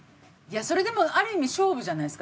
それでもある意味勝負じゃないですか。